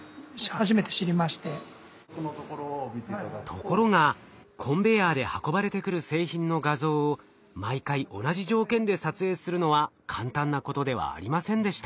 ところがコンベヤーで運ばれてくる製品の画像を毎回同じ条件で撮影するのは簡単なことではありませんでした。